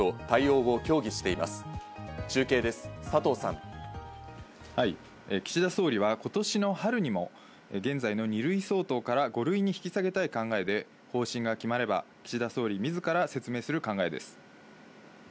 はい、岸田総理は今年の春にも現在の２類相当から５類に引き下げたい考えで、方針が決まれば、岸田総理自ら説明する考えです。